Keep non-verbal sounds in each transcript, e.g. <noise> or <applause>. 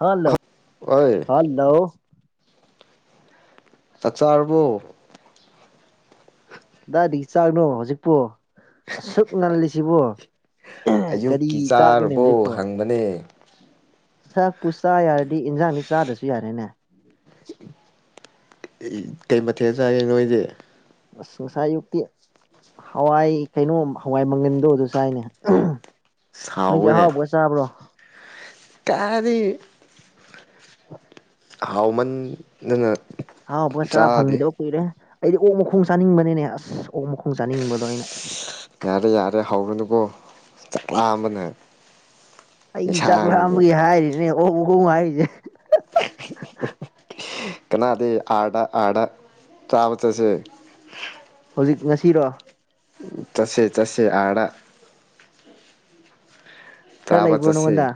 hello ꯍꯣꯏ hello ꯑꯆꯥꯔꯕꯣ ꯀꯗꯥꯏꯗꯒꯤ ꯆꯥꯛꯅꯣ ꯍꯧꯖꯤꯛꯄꯣ ꯑꯁꯨꯛ ꯉꯜꯂꯤꯁꯤꯕꯣ ꯀꯔꯤ ꯑꯌꯨꯛꯀꯤ ꯆꯥꯛꯀꯅꯤ ꯆꯥꯔꯕꯣ ꯍꯧꯖꯤꯛꯄꯥꯎ ꯍꯪꯕꯅꯦ ꯁꯛꯄꯨ ꯆꯥ ꯌꯥꯔꯗꯤ ꯏꯟꯖꯥꯡꯅꯤ ꯆꯥꯗ꯭ꯔꯁꯨ ꯌꯥꯔꯦꯅꯦ ꯀꯩ ꯃꯊꯦꯜ ꯆꯥꯏ ꯅꯣꯏꯁꯦ ꯁ ꯌꯨꯛꯇ ꯍꯋꯥꯏ ꯀꯩꯅꯣ ꯍꯋꯥꯏ ꯃꯪꯒꯟꯗꯣ ꯑꯗꯨ ꯆꯥꯏꯅꯦ ꯃꯤꯗꯤ ꯑꯍꯥꯎꯕꯒ ꯆꯥꯕ꯭ꯔꯣ ꯀꯥꯔꯤ ꯍꯥꯎꯃꯟ ꯍꯥꯎ ꯄꯣꯠꯁꯥ ꯐꯪꯈꯤꯗꯕ ꯀꯨꯏꯔꯦ ꯑꯩꯗꯤ ꯑꯣꯛ ꯃꯈꯣꯡ ꯆꯥꯅꯤꯡꯕꯅꯤꯅꯦ ꯑꯁ ꯑꯣꯛ ꯃꯈꯣꯡ ꯆꯥꯅꯤꯡꯕꯗꯣ ꯑꯩꯅ ꯑꯁ ꯌꯥꯔꯦ ꯌꯥꯔꯦ ꯍꯧꯔꯨꯅꯨꯀꯣ ꯆꯥꯛꯂꯥꯑꯝꯕꯅꯦ ꯑꯩ ꯆꯥꯛꯂꯥꯝꯕꯒꯤ ꯍꯥꯏꯔꯤꯅꯦ ꯑꯣꯣꯡꯈꯣꯡ ꯍꯥꯏꯔꯤꯁꯦ ꯀꯅꯥꯗꯤ ꯑꯥꯗ ꯑꯥꯗ ꯆꯥꯕ ꯆꯠꯁꯦ ꯍꯧꯖꯤꯛ ꯉꯁꯤꯔꯣ ꯇꯁ ꯇꯁ ꯑꯔ ꯀ ꯂꯩꯕꯅꯉꯣꯟꯗ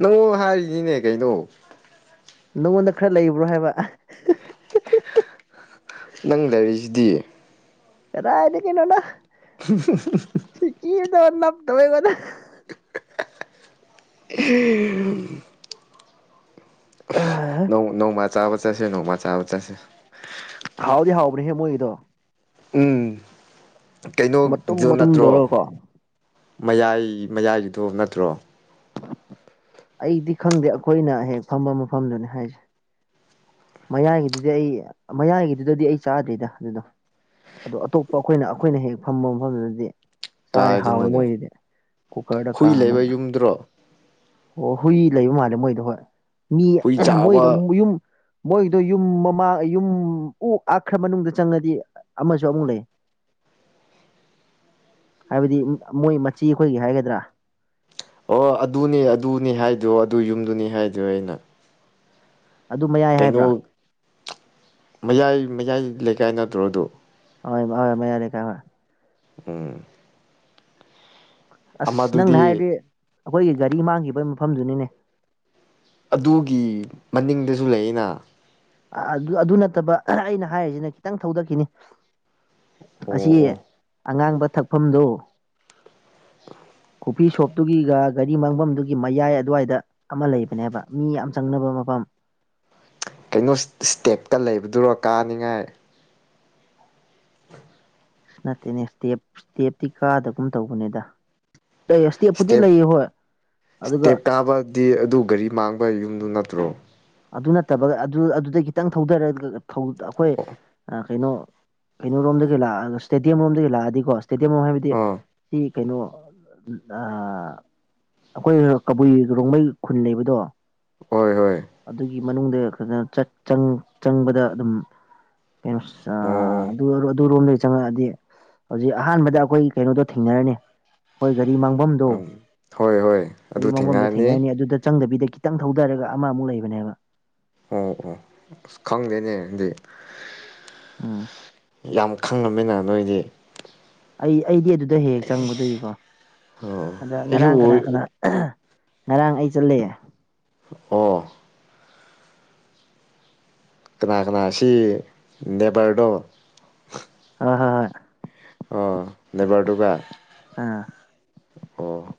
ꯅꯪ ꯍꯥꯏꯔꯤꯅꯤꯅꯦ ꯀꯩꯅꯣ ꯅꯉꯣꯟꯗ ꯈꯔ ꯂꯩꯕ꯭ꯔꯣ ꯍꯥꯏꯕ ꯅꯪ ꯂꯩꯔꯤꯁꯤꯗꯤ ꯄꯗꯥ ꯂꯩ ꯀꯅꯣꯅ ꯁꯤꯀꯤꯗ ꯇꯃꯦ ꯀꯗ ꯎꯝ ꯅꯣꯡꯃ ꯆꯥꯕ ꯆꯠꯁꯦ ꯅꯣꯡꯃ ꯆꯥꯕ ꯆꯠꯁꯦ ꯍꯥꯎꯗꯤ ꯍꯥꯎꯕꯅꯤꯍꯦ ꯃꯣꯏꯒꯤꯗꯣ ꯎꯝ ꯃꯇꯨꯝ ꯀꯩꯅꯣꯗꯣ ꯃꯇꯨꯝ ꯅꯠꯇ꯭ꯔꯣ ꯇꯧꯔꯒꯀꯣ ꯃꯌꯥꯏ ꯃꯌꯥꯏꯒꯤꯗꯣ ꯅꯠꯇ꯭ꯔꯣ ꯑꯩꯗꯤ ꯈꯪꯗꯦ ꯑꯩꯈꯣꯏꯅ ꯍꯦꯛ ꯐꯝꯕ ꯃꯐꯝꯗꯨꯅꯤ ꯍꯥꯏꯁꯦ ꯃꯌꯥꯡꯒꯤꯗꯨꯗꯤ ꯑꯩ ꯃꯌꯥꯏꯒꯤꯗꯨꯗꯗꯤ ꯑꯩ ꯆꯥꯗ꯭ꯔꯤꯗ ꯑꯗꯨꯗ ꯑꯗꯣ ꯑꯇꯣꯞꯄ ꯑꯩꯈꯣꯏꯅ ꯑꯩꯈꯣꯏꯅ ꯍꯦꯛ ꯐꯝꯕ ꯃꯐꯝꯗꯨꯗꯗꯤ ꯆꯥꯔꯦ ꯍꯥꯎꯋꯦ ꯀꯥꯏꯗꯅꯣꯅꯦ ꯃꯣꯏꯗꯤꯗꯤ ꯀꯨꯀꯔꯗ ꯀꯥ ꯍꯨꯏ ꯑꯃ ꯂꯩꯕ ꯉ ꯌꯨꯝꯗ꯭ꯔꯣ ꯑꯣ ꯍꯨꯏ ꯂꯩꯕ ꯃꯥꯜꯂꯦ ꯃꯣꯏꯗꯣ ꯍꯣꯏ ꯃꯤ ꯍꯨꯏ ꯃꯣꯏꯗ ꯆꯥꯕ ꯌꯨꯝ ꯃꯣꯏꯗꯣ ꯌꯨꯝ ꯃꯃꯥꯡ ꯌꯨꯝ ꯑꯣꯛ ꯑꯈ꯭ꯔ ꯃꯅꯨꯡꯗ ꯆꯪꯉꯗꯤ ꯑꯃꯁꯨ ꯑꯃꯨꯛ ꯂꯩ <unintelligible> ꯍꯥꯏꯕꯗꯤ ꯃꯣꯏ ꯃꯆꯤ ꯑꯩꯈꯣꯏꯒꯤ ꯍꯥꯏꯒꯗ꯭ꯔꯥ ꯑꯣ ꯑꯗꯨꯅꯤ ꯑꯗꯨꯅꯤ ꯍꯥꯏꯗꯣ ꯑꯗꯨ ꯌꯨꯝꯗꯨꯅꯤ ꯍꯥꯏꯗꯣ ꯑꯩꯅ ꯑꯗꯨ ꯃꯌꯥꯏ ꯍꯥꯏꯕ꯭ꯔꯥ ꯀꯩꯅꯣ ꯃꯌꯥꯏ ꯃꯌꯥꯏ ꯂꯩꯀꯥꯏ ꯅꯠꯇ꯭ꯔꯣ ꯑꯗꯨ ꯍ ꯍ ꯃ ꯌꯥꯔꯦ ꯀ ꯎꯝ ꯑꯁ ꯅꯪꯅ ꯑꯃꯗꯨꯗꯤ ꯍꯥꯏꯔꯗꯤ ꯑꯩꯈꯣꯏꯒꯤ ꯒꯥꯔꯤ ꯃꯥꯡꯈꯤꯕꯒꯤ ꯃꯐꯝꯗꯨꯅꯤꯅꯦ ꯑꯗꯨꯒꯤ ꯃꯅꯤꯡꯗꯁꯨ ꯂꯩꯩꯅ ꯑꯗꯨ ꯑꯗꯨ ꯅꯠꯇꯕ ꯑꯩꯅ ꯍꯥꯏꯔꯤꯁꯤꯅ ꯈꯤꯇꯪ ꯊꯧꯗꯛꯈꯤꯅꯤ ꯑꯣ ꯑꯁꯤ ꯑꯣ ꯑꯉꯥꯡꯕ ꯊꯛꯐꯝꯗꯨ ꯀꯣꯐꯤ ꯁꯣꯞꯇꯨꯒꯤꯒ ꯒꯥꯔꯤ ꯃꯥꯡꯐꯝꯗꯨꯒꯤ ꯃꯌꯥꯏ ꯑꯗꯨꯋꯥꯏꯗ ꯑꯃ ꯂꯩꯕꯅꯦꯕ ꯃꯤ ꯌꯥꯝ ꯆꯪꯅꯕ ꯃꯐꯝ <unintelligible> ꯅ ꯏꯁꯇꯦꯞꯀ ꯂꯩꯕꯗꯨꯔꯣ ꯀꯥꯅꯤꯡꯉꯥꯏ ꯁ ꯅꯠꯇꯦꯅꯦ ꯏꯁꯇꯦꯞ ꯏꯁꯇꯦꯞꯇꯤ ꯀꯥꯗꯒꯨꯝ ꯇꯧꯕꯅꯦꯗ ꯏꯁꯇꯦꯞ ꯑꯗꯨꯒ ꯏꯁꯇꯦꯞ ꯀꯥꯕꯗꯤ ꯑꯗꯨ ꯒꯥꯔꯤ ꯃꯥꯡꯕ ꯌꯨꯝꯗꯨ ꯅꯠꯇ꯭ꯔꯣ ꯑꯗꯨ ꯅꯠꯇꯕꯒ ꯑꯗꯨꯗꯩ ꯈꯤꯇꯪ ꯊꯧꯗꯔ ꯑꯩꯈꯣꯏ ꯀꯩꯅꯣ ꯀꯩꯅꯣꯔꯣꯝꯗꯒꯤ ꯂꯥꯛꯑꯒ ꯏꯁꯇꯦꯗꯤꯌꯝꯔꯣꯝꯗꯒꯤ ꯂꯥꯛꯑꯗꯤꯀꯣ ꯏꯁꯇꯦꯗꯤꯌꯝꯔꯣꯝ ꯍꯥꯏꯕꯗꯤ ꯑꯥ ꯁꯤ ꯀꯩꯅꯣ ꯑꯩꯈꯣꯏ ꯀꯕꯨꯏ ꯔꯣꯡꯃꯩ ꯈꯨꯟ ꯂꯩꯕꯗꯣ ꯍꯣꯏ ꯍꯣꯏ ꯑꯗꯨꯒꯤ ꯃꯅꯨꯡꯗ ꯑꯩꯖꯅ ꯆꯪꯕꯗ ꯑꯗꯨꯝ ꯑꯣ ꯩꯅꯔ ꯆꯪꯉꯛꯑꯗꯤ ꯍꯧꯖꯤꯛ ꯑꯍꯥꯟꯕꯗ ꯑꯩꯈꯣꯏ ꯀꯩꯅꯣꯗꯣ ꯊꯦꯡꯅꯔꯅꯤ ꯑꯩꯈꯣꯏ ꯒꯥꯔꯤ ꯃꯥꯡꯐꯝꯗꯣ ꯑꯣ ꯍꯣꯏ ꯍꯣꯏ ꯑꯗꯨ ꯀꯔꯤ ꯃꯔꯒꯣꯝꯗ ꯊꯦꯡꯅꯔꯅꯤ ꯑꯗꯨꯗ ꯆꯪꯗꯕꯤꯗ ꯈꯤꯇꯪ ꯊꯧꯊꯔꯒ ꯑꯃꯃꯨꯛ ꯂꯩꯕꯅꯦꯕ ꯑꯣ ꯑꯣ ꯑꯁ ꯈꯪꯗꯦꯅꯦꯗꯤ ꯎꯝ ꯌꯥꯝ ꯈꯪꯉꯝꯃꯤꯅ ꯅꯣꯏꯗꯤ ꯑꯩ ꯑꯩꯗꯤ ꯑꯗꯨꯗ ꯍꯦꯛ ꯍꯦꯛ ꯆꯪꯕꯗꯣꯏꯒꯤꯀꯣ ꯑꯣ ꯑꯗ ꯑꯩꯁꯨ ꯉꯔꯥꯡ ꯀꯅꯥ ꯑꯣꯏ ꯀꯅꯥ ꯉꯔꯥꯡ ꯑꯩ ꯆꯠꯂꯦ ꯑꯣ ꯀꯅꯥ ꯀꯅꯥꯁꯤ ꯅꯦꯕꯔꯗꯣ ꯍ ꯍꯣꯏ ꯍꯣꯏ ꯑꯣ ꯅꯦꯕꯔꯗꯨꯀ ꯑꯥ ꯑꯣ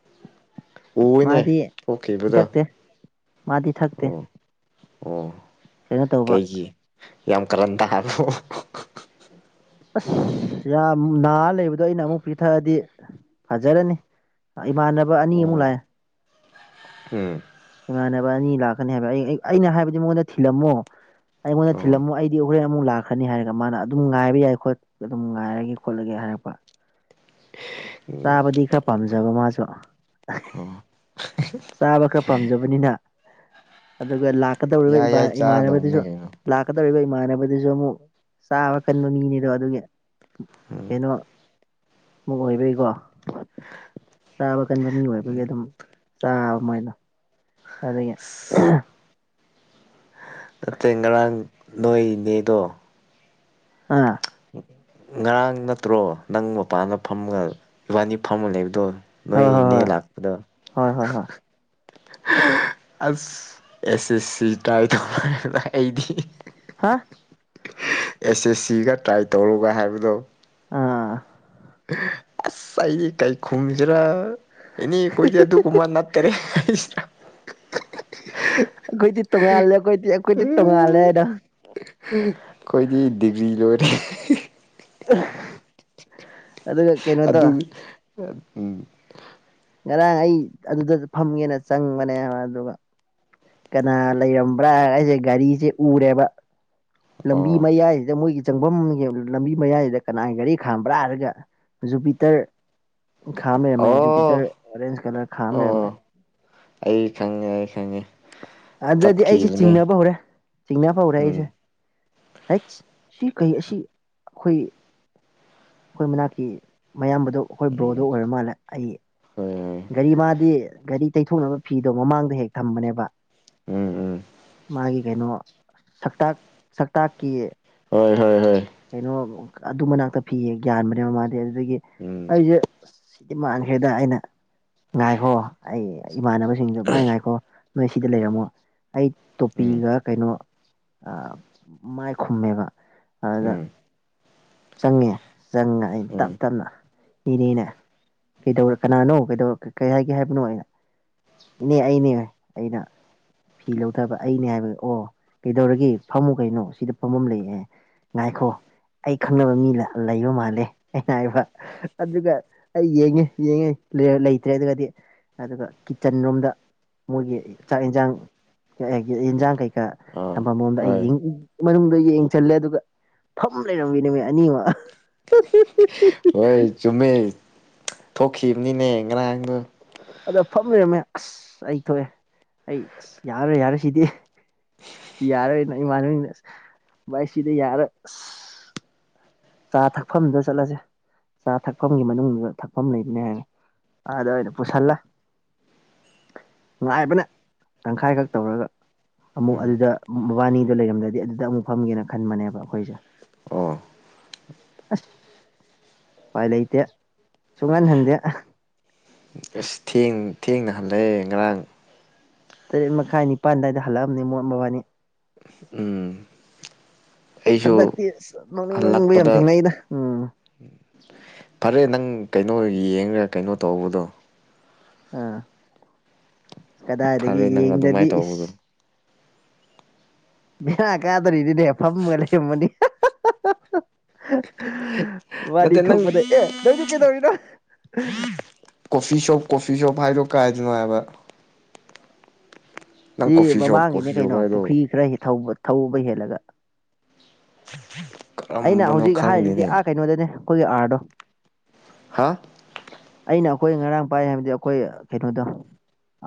ꯎꯅꯦ ꯃꯥꯗꯤ ꯑꯣ ꯀꯦꯕꯗ ꯄꯤꯊꯛꯇꯦ ꯃꯥꯗꯤ ꯊꯥꯛꯇ ꯑ ꯀꯩꯅꯣ ꯇꯧꯕ ꯌꯥꯝ ꯀꯔꯟꯗꯔ ꯑꯁ ꯌꯥꯝ ꯅꯥꯍ ꯂꯩꯕꯗꯣ ꯑꯩꯅ ꯑꯃꯨꯛ ꯄꯤꯊꯛꯑꯗꯤ ꯐꯖꯔꯅꯤ ꯏꯃꯥꯟꯅꯕ ꯑꯅꯤꯃꯨꯛ ꯑꯣ ꯂꯥꯛꯑꯦ ꯎꯝ ꯏꯃꯥꯟꯅꯕ ꯑꯅꯤ ꯂꯥꯛꯀꯅꯤ ꯍꯥꯏꯕ ꯑꯩ ꯑꯩꯅ ꯍꯥꯏꯕꯗꯤ ꯃꯉꯣꯟꯗ ꯊꯤꯜꯂꯝꯃꯣ ꯑꯩꯉꯣꯟꯗ ꯑꯣ ꯊꯤꯜꯂꯝꯃꯣ ꯑꯩꯗꯤ ꯍꯣꯔꯦꯟ ꯑꯃꯨꯛ ꯂꯥꯛꯈꯅꯤ ꯍꯥꯏꯔꯒ ꯃꯥꯅ ꯑꯗꯨꯝ ꯉꯥꯏꯕ ꯌꯥꯏꯣꯠ ꯑꯗꯨꯝ ꯉꯥꯏꯔꯒꯦ ꯈꯣꯠꯂꯒꯦ ꯍꯥꯏꯔꯛꯄ ꯆꯥꯕꯗꯤ ꯈꯔ ꯐꯩ ꯐꯩ ꯄꯥꯝꯖꯕ ꯃꯥꯁꯨ ꯑꯣ ꯆꯥꯕ ꯈꯔ ꯄꯥꯝꯖꯕꯅꯤꯅ ꯑꯗꯨꯒ ꯂꯥꯛꯀꯗꯧꯔꯤꯕ ꯌꯥꯏ ꯌꯥꯏ ꯆꯥꯗꯧꯅꯦ ꯏꯃꯥꯟꯅꯕꯗꯨꯁꯨ ꯀꯩꯅꯣ ꯂꯥꯛꯀꯗꯧꯔꯤꯕ ꯏꯃꯥꯅꯕꯗꯨꯁꯨ ꯑꯃꯨꯛ ꯆꯥꯕ ꯀꯟꯕ ꯃꯤꯅꯤꯗꯣ ꯑꯗꯨꯒꯤ ꯎꯝ ꯀꯩꯅꯣ ꯃꯤ ꯑꯣꯏꯕꯒꯤꯀꯣ ꯆꯥꯕ ꯀꯟꯕ ꯃꯤ ꯑꯣꯏꯕꯒꯤ ꯑꯗꯨꯝꯥ ꯁꯥꯏꯅ ꯑꯗꯨꯗꯒꯤ ꯅꯠꯇꯦ ꯉꯔꯥꯡ ꯅꯣꯏꯅꯦꯗꯣ ꯑꯥ ꯉꯔꯥꯡ ꯅꯠꯇ꯭ꯔꯣ ꯅꯪ ꯃꯄꯅ ꯐꯝꯒ ꯏꯕꯥꯅꯤ ꯐꯝꯃꯅꯦꯕꯗꯣ ꯅꯣꯏ ꯍꯣꯏ ꯍꯣꯏ ꯏꯅꯦ ꯍꯣꯏ ꯂꯥꯛꯄꯗꯥ ꯍꯣꯏ ꯍꯣꯏ ꯍꯣꯏ ꯑꯥꯁ ꯑꯦꯁ ꯑꯦꯁ ꯁꯤ ꯇꯥꯏ ꯇꯧꯔꯑꯩꯗꯤ ꯍꯥ ꯑꯦꯁ ꯑꯦꯁ ꯁꯤꯒ ꯇ꯭ꯔꯥꯏ ꯇꯧꯔꯨꯒ ꯍꯥꯏꯕꯗꯣ ꯑꯥ ꯑꯥꯏ ꯀꯥꯏ ꯈꯨꯝꯃꯤꯖꯔꯥ ꯑꯦꯅꯦ ꯀꯣꯏꯗꯖ ꯀꯨꯝꯃꯥ ꯅꯠ ꯀꯔꯦ ꯍꯥꯏꯁ ꯑꯩꯈꯣꯏꯗꯤ ꯇꯣꯡꯉꯥꯜꯂꯦ ꯑꯩꯈꯣꯏꯗꯤ ꯑꯩꯈꯣꯏꯗꯤ ꯇꯣꯡꯉꯥꯜꯂꯦ ꯍꯥꯏꯗꯣ ꯑꯩꯈꯣꯏꯗꯤ ꯗꯤꯒ꯭ꯔꯤ ꯂꯣꯏꯔꯦ ꯑ ꯑꯗꯨ ꯉꯔꯥꯡ ꯑꯩ ꯑꯗꯨꯗ ꯐꯝꯒꯦꯅ ꯆꯪꯕꯅꯦꯕ ꯑꯗꯨꯒ ꯀꯅꯥ ꯂꯩꯔꯝꯕ꯭ꯔꯥ ꯑꯩꯁꯦ ꯒꯥꯔꯤꯁꯦ ꯎꯔꯦꯕ ꯂꯝꯕꯤ ꯑꯣ ꯃꯩ ꯍꯥꯏꯗ ꯃꯣꯏꯒꯤ ꯆꯪꯐꯝ ꯂꯝꯕꯤ ꯃꯌꯥꯏꯁꯤꯗ ꯀꯅꯥꯒꯤ ꯒꯥꯔꯤ ꯈꯥꯝꯕ꯭ꯔꯥ ꯍꯥꯏꯔꯒ ꯖꯨꯄꯤꯇꯔ ꯈꯥ ꯃꯦꯔꯝ ꯑꯣ ꯨꯕꯤꯇꯔ ꯀꯂꯔ ꯈꯥ ꯃꯔꯃꯦ ꯑꯣ ꯑꯩ ꯈꯪꯉꯦ ꯑꯩ ꯈꯪꯉꯦ ꯑꯗꯨꯗꯗꯤ ꯑꯩꯁꯦ ꯆꯠꯈꯤꯕꯅꯦ ꯆꯤꯡꯅꯕ ꯍꯧꯔꯦ ꯆꯤꯡꯅꯕ ꯍꯧꯔꯦ ꯑꯩꯁꯦ ꯎꯝ ꯍꯠ ꯁꯤ ꯀꯩ ꯑꯁꯤ ꯑꯩꯈꯣꯏ ꯑꯩꯈꯣꯏ ꯃꯅꯥ ꯀ ꯃꯌꯥꯝꯕꯗꯣ ꯑꯩꯈꯣꯏ ꯕ꯭ꯔꯣꯗ ꯎꯝ ꯑꯣꯏꯔ ꯃꯥꯜꯂꯦ ꯑꯩ ꯍꯣꯏ ꯍꯣꯏ ꯒꯥꯔꯤ ꯃꯥꯗꯤ ꯒꯥꯔꯤ ꯇꯩꯊꯣꯛꯅꯕ ꯐꯤꯗꯣ ꯃꯃꯥꯡꯗ ꯍꯦꯛ ꯊꯝꯕꯅꯦꯕ ꯎꯝ ꯎꯝ ꯃꯥꯒꯤ ꯀꯩꯅꯣ ꯁꯛꯇꯥꯛ ꯁꯛꯇꯥꯛꯀꯤ ꯍꯣꯏ ꯍꯣꯏ ꯍꯣꯏ ꯀꯩꯅꯣ ꯑꯗꯨ ꯃꯅꯥꯛꯇ ꯐꯤꯌꯦ ꯒ꯭ꯟꯕꯅꯦꯕ ꯃꯥꯗꯤ ꯑꯗꯨꯗꯒꯤ ꯎꯝ ꯑꯩꯁꯦ ꯈꯤꯗꯤ ꯃꯥꯡꯈ꯭ꯔꯦꯗ ꯑꯩꯅ ꯉꯥꯏꯈꯣ ꯑꯩ ꯏꯃꯥꯟꯅꯕꯁꯤꯡꯗ ꯃꯥꯏ ꯉꯥꯏꯈꯣ ꯅꯣꯏ ꯁꯤꯗ ꯂꯩꯔꯝꯃꯣ ꯑꯩ ꯎꯝ ꯇꯣꯄꯤꯒ ꯀꯩꯅꯣ ꯃꯥꯏ ꯈꯨꯝꯃꯦꯕ ꯑꯗ ꯎꯝ ꯆꯪꯉꯦ ꯆꯪꯉ ꯑꯩ ꯇꯞ ꯎꯝ ꯇꯞꯅ ꯏꯅꯦꯅꯦ ꯀꯩꯗꯧꯔ ꯀꯅꯥꯅꯣ ꯀꯩꯗꯔ ꯀꯩ ꯍꯥꯏꯒꯦ ꯍꯥꯏꯕꯅꯣ ꯑꯩꯅ ꯏꯅꯦ ꯑꯩꯅꯦ ꯑꯩꯅ ꯐꯤ ꯂꯧꯗꯕ ꯑꯩꯅꯦ ꯍꯥꯏꯕ ꯑꯣ ꯀꯩꯗꯧꯔꯒꯦ ꯐꯝꯃꯨ ꯀꯩꯅꯣ ꯁꯤꯗ ꯐꯝꯃ ꯑꯃ ꯂꯩꯌꯦꯦ ꯉꯥꯏꯈꯣ ꯑꯩ ꯈꯪꯅꯕ ꯃꯤ ꯂꯩꯕ ꯃꯥꯜꯂꯦ ꯑꯩꯅ ꯍꯥꯏꯕ ꯑꯗꯨꯒ ꯑꯩ ꯌꯦꯡꯉꯦ ꯌꯦꯡꯉꯦ ꯂꯩꯇ꯭ꯔꯦ ꯑꯗꯨꯒꯗꯤ ꯑꯗꯨꯒ ꯀꯤꯠꯆꯟ ꯔꯣꯝꯗ ꯃꯣꯏꯒꯤ ꯆꯥꯛ ꯌꯦꯟꯁꯥꯡ ꯌꯦꯟꯁꯥꯡ ꯀꯩꯀꯥ ꯑꯥ ꯊꯝꯐꯝ ꯑꯃꯣꯝꯗ ꯍꯣꯏ ꯑꯩ ꯃꯅꯨꯡꯗ ꯆꯜꯂꯦ ꯑꯗꯨꯒ ꯐꯝ ꯂꯩꯔꯝꯃꯤꯅꯦꯃꯤ ꯑꯅꯤꯃꯛ ꯍꯣꯏ ꯆꯨꯝꯃꯦ ꯊꯣꯛꯈꯤꯕꯅꯤꯅꯦ ꯉꯔꯥꯡꯗꯣ ꯑꯗ ꯐꯝ ꯂꯩꯔꯝꯃꯦ ꯑꯁ ꯑꯩ ꯊꯣꯛꯑꯦ ꯑꯩ ꯑꯁ ꯌꯥꯔꯦ ꯌꯥꯔꯦ ꯁꯤꯗꯤ ꯌꯥꯔꯣꯏꯅ ꯏꯃꯥꯟꯅꯕꯅ ꯚꯥꯏ ꯁꯤꯗ ꯌꯥꯔ ꯑꯁ ꯆꯥ ꯊꯛꯐꯝꯗꯨꯗ ꯆꯠꯂꯁꯦ ꯆꯥ ꯊꯛꯐꯝꯒꯤ ꯃꯅꯨꯡꯗꯨ ꯊꯛꯐꯝ ꯂꯩꯕꯅꯦ ꯍꯥꯏꯔꯦ ꯑ ꯑꯗꯅ ꯄꯨꯁꯂ ꯅꯨꯡꯉꯥꯏꯕꯅꯦ ꯇꯪꯈꯥꯏꯈꯛ ꯇꯧꯔꯒ ꯑꯃꯨꯛ ꯎꯝ ꯑꯗꯨꯗ ꯃꯕꯥꯅꯤꯗꯣ ꯂꯩꯔꯝꯗ꯭ꯔꯗꯤ ꯑꯗꯨꯗ ꯑꯃꯨꯛ ꯐꯝꯒꯦꯅ ꯈꯟꯕꯅꯦꯕ ꯑꯩꯈꯣꯏꯁꯦ ꯑꯣ ꯑꯁ ꯎꯄꯥꯏ ꯂꯩꯇꯦ ꯁꯨꯡꯍꯜꯍꯟꯗꯦ ꯑꯁ ꯊꯦꯡ ꯊꯦꯡꯅꯍꯅꯩꯌꯦ ꯉꯔꯥꯡ ꯇꯔꯦꯠ ꯃꯈꯥꯏ ꯅꯤꯄꯥꯟ ꯑꯗꯨꯋꯥꯏꯗ ꯍꯜꯂꯛꯑꯕꯅꯦ ꯃꯣꯠ ꯃꯕꯥꯅꯤ ꯎꯝ ꯑꯩꯁꯨ ꯍꯟꯗꯛꯇꯤ ꯅ ꯂꯧꯅꯤꯡ ꯅꯣꯛꯅꯤꯡꯕ ꯌꯥꯝ ꯍꯜꯂꯛꯄꯗ ꯊꯦꯡꯅꯩꯗ ꯎꯝ ꯐꯔꯦ ꯅꯪ ꯀꯩꯅꯣ ꯌꯦꯡ ꯀꯩꯅꯣ ꯇꯧꯕꯗꯣ ꯑꯥ ꯀꯗꯥꯏꯗꯒꯤ ꯐꯔꯦ ꯅꯪ ꯌꯦꯡꯗ꯭ꯔꯗꯤ ꯑꯗꯨꯃꯥꯏꯅ ꯇꯧꯕꯗꯣ ꯏꯁ ꯕꯤꯔꯥ ꯀꯥꯗꯔꯤꯗꯤꯅꯦ ꯐꯝꯒ ꯂꯩꯔꯝꯃꯅꯤ ꯃꯥꯗꯤ ꯅꯠꯇꯦ ꯅꯪ ꯊꯣꯛꯄꯗ ꯑꯦ ꯅꯧꯗꯤ ꯀꯩꯗꯧꯔꯤꯅꯣ ꯀꯣꯐꯤ ꯁꯣꯞ ꯀꯣꯐꯤ ꯁꯣꯞ ꯍꯥꯏꯗꯣ ꯀꯥꯏꯗꯅꯣ ꯍꯥꯏꯕ ꯅꯪ ꯁꯤ ꯀꯣꯐꯤ ꯁꯣꯞ ꯃꯃꯥꯡꯒꯤꯅꯦ ꯀꯣꯐꯤ ꯁꯣꯞ ꯀꯩꯅꯣ ꯍꯥꯏꯗꯣ ꯄꯨꯈ꯭ꯔꯤ ꯈꯔ ꯊꯧꯕ ꯍꯦꯜꯂꯒ ꯑꯩꯅ ꯀꯔꯝꯕꯅꯣ ꯍꯧꯖꯤꯛ ꯍꯥꯏꯔꯤꯔꯤꯕꯗꯤ ꯈꯪꯗꯦꯅꯦ ꯑꯥ ꯀꯩꯅꯣꯗꯅꯦ ꯑꯩꯈꯣꯏꯒꯤ ꯑꯥꯔꯗꯣ ꯍꯥ ꯑꯩꯅ ꯑꯩꯈꯣꯏ ꯉꯔꯥꯡ ꯄꯥꯏ ꯍꯥꯏꯕꯗꯤ ꯑꯩꯈꯣꯏ ꯀꯩꯅꯣꯗꯣ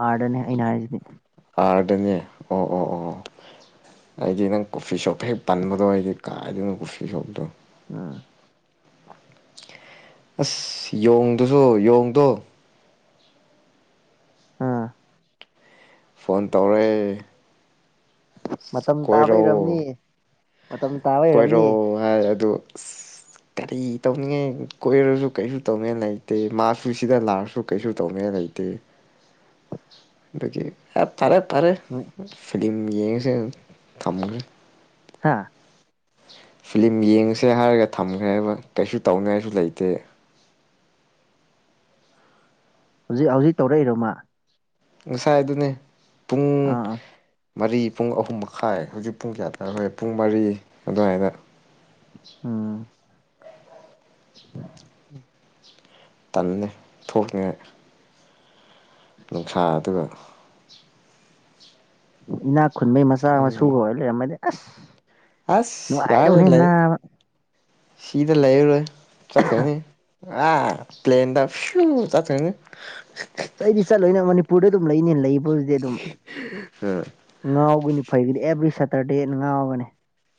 ꯑꯥꯔꯗꯅꯦ ꯑꯩꯅ ꯍꯥꯏꯁꯤꯗꯤ ꯑꯗꯅꯦ ꯑꯣ ꯑꯣ ꯑꯣ ꯑꯩꯗꯤ ꯅꯪ ꯀꯣꯐꯤ ꯁꯣꯞ ꯍꯦꯛ ꯄꯟꯕꯗꯣ ꯑꯩꯗꯤ ꯀꯥꯏꯗꯣꯏꯅ ꯀꯣꯐꯤ ꯁꯣꯞꯇꯣ ꯑꯥ ꯑꯁ ꯌꯣꯡꯗꯨꯁꯨ ꯌꯣꯡꯗꯣ ꯑꯥ ꯐꯣꯟ ꯇꯧꯔꯑꯦ ꯑ ꯃꯇꯝ ꯇꯥꯕ ꯀꯣꯏꯔꯛꯑꯣ ꯏꯔꯝꯅꯤ ꯃꯇꯝ ꯇꯥꯕ ꯀꯣꯏꯔꯣ ꯏꯔꯝꯅꯤ ꯍꯥꯏ ꯑꯗꯨ ꯑ ꯀꯔꯤ ꯇꯧꯅꯤꯡꯉꯦ ꯀꯣꯏꯔꯁꯨ ꯀꯩꯁꯨ ꯇꯧꯅꯦ ꯂꯩꯇꯦ ꯃꯥꯁꯨ ꯁꯤꯗ ꯂꯥꯛꯔꯁꯨ ꯀꯩꯁꯨ ꯇꯧꯅꯦꯅ ꯂꯩꯇꯦ ꯑꯗꯨꯇꯩ ꯑꯗꯨꯗꯒꯤ ꯑꯦ ꯇꯥꯔꯦ ꯇꯔꯦ ꯐꯤꯂꯤꯂꯝ ꯌꯦꯡꯉꯁꯤꯦ ꯊꯝꯃꯁꯨ ꯍꯥꯥ ꯐꯤꯂꯝ ꯌꯦꯡꯉꯨꯁꯦ ꯍꯥꯏꯔꯒ ꯊꯝꯈ꯭ꯔꯦꯕ ꯀꯩꯁꯨ ꯇꯧꯅꯤꯉꯥꯏꯁꯨ ꯂꯩꯇꯦ ꯍꯧꯖꯤꯛ ꯍꯧꯖꯤꯛ ꯇꯧꯔꯛꯏꯔꯣꯃ ꯉꯁꯥꯏ ꯑꯗꯨꯅꯦ ꯄꯨꯡ ꯑꯥ ꯑꯥ ꯃꯔꯤ ꯄꯨꯡ ꯑꯍꯨꯝ ꯃꯈꯥꯏ ꯍꯧꯖꯤꯛ ꯄꯨꯡ ꯀꯌꯥ ꯇ ꯍꯣꯏ ꯄꯨꯡ ꯃꯔꯤ ꯑꯗꯨꯃꯥꯏꯅ ꯑꯝ ꯇꯟꯅꯦ ꯊꯣꯡꯉꯦ ꯅꯨꯡꯁꯥ ꯑꯗꯨꯒ ꯏꯅꯥꯛ ꯈꯨꯟꯕꯩ ꯃꯆꯥ ꯃꯁꯨꯒ ꯑꯣꯏꯔ ꯂꯩꯔꯝꯃꯗꯤ ꯑꯁ ꯑꯁ ꯅꯨꯉꯥꯏꯗ ꯌꯥꯔꯦ ꯎꯅꯤ ꯂꯩ ꯏꯟꯅ ꯁꯤꯗ ꯂꯩꯔꯣꯏ ꯆꯠꯀꯅꯤ ꯑ ꯄ꯭ꯂꯦꯟꯗ ꯄꯤꯌꯣꯔ ꯆꯊꯪ ꯑꯩꯗꯤ ꯆꯠꯂꯣꯏꯅ ꯃꯅꯤꯄꯨꯔꯗ ꯑꯗꯨꯝ ꯂꯩꯅꯦ ꯂꯩꯕꯗꯨꯗꯤ ꯑꯗꯨꯝ ꯎꯝ ꯉꯥꯎꯒꯅꯤ ꯐꯩꯒꯤꯗꯤ ꯑꯦꯕ꯭ꯔꯤ ꯁꯦꯇꯔꯗꯦ ꯉꯥꯎꯔꯒꯅꯦ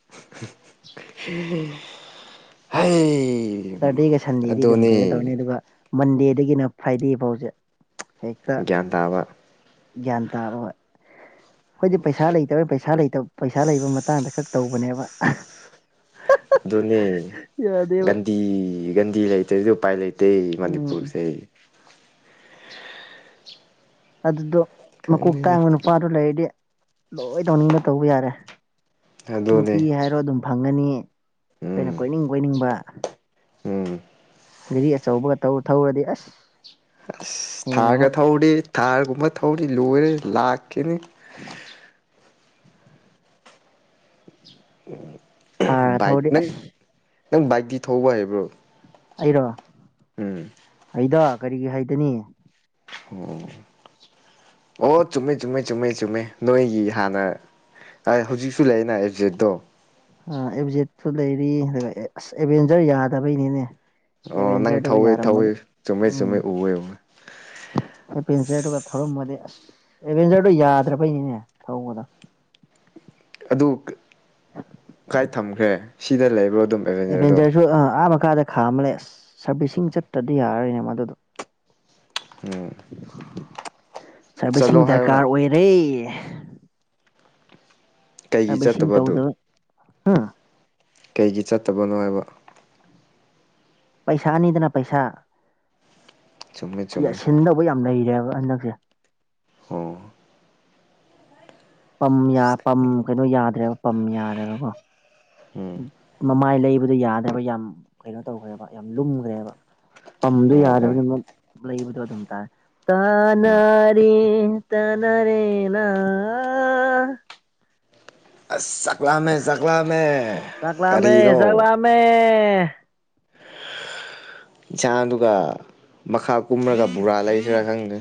<unintelligible> ꯁꯦꯇꯔꯗꯦꯒ ꯁꯟꯗꯦꯗꯤ ꯑꯗꯨꯝ ꯑꯗꯨꯅꯤ ꯀꯩꯅꯣ ꯇꯧꯔꯅꯤ ꯑꯗꯨꯒ ꯃꯟꯗꯦꯗꯒꯤꯅ ꯐ꯭ꯔꯥꯏꯗꯦ ꯐꯥꯎꯁꯦ ꯍꯦꯛꯇ ꯒ꯭ꯌꯥꯟ ꯇꯥꯕ ꯒ꯭ꯌꯥꯟ ꯇꯥꯕ ꯑꯩꯣꯏꯗꯤ ꯄꯩꯁꯥ ꯂꯩꯇꯕꯩ ꯄꯩꯁꯥꯇ ꯄꯩꯁꯥ ꯂꯩꯕ ꯃꯇꯥꯡꯗ ꯈꯛ ꯇꯧꯕꯅꯦꯕ ꯑꯗꯨꯅꯦ ꯌꯥꯗꯦꯕ ꯒꯟꯗꯤ ꯒꯟꯗꯤ ꯂꯩꯇ ꯑꯗꯨ ꯎꯄꯥꯏ ꯂꯩ ꯇꯩ ꯎꯝ ꯃꯅꯤꯄꯨꯔꯁꯦ ꯑꯗꯨꯗꯣ ꯃꯀꯣꯛ ꯈꯪꯗꯦꯗ ꯇꯥꯡꯕ ꯅꯨꯄꯥꯗꯨ ꯂꯩꯔꯗꯤ ꯂꯣꯏ ꯇꯧꯅꯤꯡꯕ ꯇꯧꯕ ꯌꯥꯔꯦ ꯑꯗꯨꯅꯦ ꯅꯨꯄꯤ ꯍꯥꯏꯔꯣ ꯑꯗꯨꯝ ꯐꯪꯒꯅꯤ ꯑꯩꯈꯣꯏꯅ ꯎꯝ ꯀꯣꯏꯅꯤꯡ ꯀꯣꯏꯅꯤꯡꯕ ꯎꯝ ꯒꯥꯔꯤ ꯑꯆꯧꯕꯒꯧ ꯊꯧꯔꯗꯤ ꯑꯁ ꯑꯁ ꯍꯦꯟꯅ ꯊꯥꯔꯒ ꯑꯃꯨꯛ ꯊꯧꯔꯤ ꯊꯥꯔꯒꯨꯝꯕ ꯊꯧꯔꯤ ꯂꯣꯏꯔꯦ ꯂꯥꯛꯀꯅꯤ ꯎꯝ ꯊꯥꯔꯒ ꯕꯥꯏꯛ ꯊꯧꯔꯗꯤ ꯅꯪ ꯑꯁ ꯅꯪ ꯕꯥꯏꯛꯛꯇꯤ ꯊꯧꯕ ꯍꯥꯏꯕ꯭ꯔꯣ ꯑꯩꯔꯣ ꯑꯩꯗ ꯀꯔꯤꯒꯤ ꯍꯥꯏꯗꯅꯤ ꯑꯣ ꯑꯣ ꯆꯨꯝꯃꯦ ꯆꯨꯝꯃꯦ ꯆꯨꯝꯃꯦ ꯆꯨꯝꯃꯦ ꯅꯣꯏꯒꯤ ꯍꯥꯟꯅ ꯑꯩ ꯍꯧꯖꯤꯛꯁꯨ ꯂꯩꯅ ꯑꯦꯕꯖꯦꯠꯇꯣ ꯑ ꯑꯦꯕꯖꯦꯠꯇꯠꯇꯨ ꯂꯩꯔꯤ ꯑꯗꯨꯒ ꯑꯁ ꯑꯦꯚꯦꯟꯖꯔ ꯌꯥꯗꯕꯩꯅꯦꯅꯦ <unintelligible> ꯑꯣ ꯅꯪ ꯊꯧꯋꯦ ꯊꯧꯋꯦ ꯆꯨꯝꯃꯦ ꯆꯨꯝꯃꯦ ꯎꯋꯦ ꯎꯋꯦ ꯑꯦꯚꯦꯟꯆꯔꯗꯨꯒ ꯊꯧꯔꯝꯃꯗꯤ ꯑꯁ ꯑꯦꯗꯚꯦꯟꯆꯔꯗꯨ ꯌꯥꯗ꯭ꯔꯕꯩꯅꯤꯅꯦ ꯊꯧꯕꯗ ꯑꯗꯨ ꯀꯥꯏ ꯊꯝꯈ꯭ꯔꯦ ꯁꯤꯗ ꯂꯩꯕ꯭ꯔꯣ ꯑꯗꯨꯝ ꯑꯦꯚꯦꯟꯖꯔꯗꯣ <unintelligible> ꯈꯥꯝꯂꯦ ꯑꯁ ꯁꯔꯕꯤꯁꯤꯡ ꯆꯠꯇ꯭ꯔꯗꯤ ꯌꯥꯔꯣꯏꯅꯦ ꯃꯗꯨꯗꯣ ꯎꯝ ꯁꯥꯔꯕꯤꯁꯤꯡ ꯆꯠꯂꯣ ꯍꯥꯏꯌꯣꯅ ꯗꯔꯀꯥꯔ ꯑꯣꯏꯔꯦ ꯀꯩꯒꯤ ꯆꯠꯇꯕꯗꯨ ꯍꯥꯥ ꯀꯩꯒꯤ ꯆꯠꯇꯕꯅꯣ ꯍꯥꯏꯕ ꯄꯩꯁꯥꯅꯤꯗꯅ ꯄꯩꯁꯥ ꯆꯨꯝꯃꯦ ꯆꯨꯝꯃꯦ ꯌꯥꯁꯤꯟꯗꯧꯕ ꯌꯥꯝ ꯂꯩꯔꯦꯕ ꯍꯟꯗꯛꯁꯦ ꯑꯣ ꯎꯝ ꯀꯩꯅꯣ ꯌꯥꯗ꯭ꯔꯦꯕ ꯄꯝ ꯌꯥꯗꯕꯀꯣ ꯎꯝ ꯃꯃꯥꯏ ꯂꯩꯕꯗꯣ ꯌꯥꯗꯕ ꯌꯥꯝ ꯀꯩꯅꯣ ꯇꯧꯈ꯭ꯔꯦꯕ ꯌꯥꯝ ꯂꯨꯝꯈ꯭ꯔꯦꯕ ꯄꯝꯗꯣ ꯑꯣ ꯑꯣ ꯌꯥꯗꯕꯅꯤꯅ <unintelligible> ꯎꯝ ꯇꯅꯔꯤ ꯇꯅꯔꯦꯅꯥ ꯑꯁ ꯆꯥꯛꯂꯥꯝꯃꯦ ꯆꯥꯛꯂꯥꯝꯃꯦ ꯆꯥꯛ ꯂꯃꯦ ꯀꯔꯤꯅꯣ ꯆꯥꯛ ꯂꯃꯦ ꯏꯟꯁꯥꯡꯗꯨ ꯃꯈꯥ ꯀꯨꯝꯔꯒ ꯕꯔꯥ ꯂꯩꯁꯤꯔꯥ ꯈꯪꯗꯦ